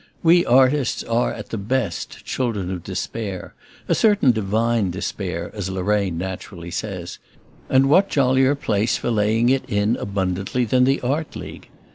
We artists are at the best children of despair a certain divine despair, as Lorraine naturally says; and what jollier place for laying it in abundantly than the Art League?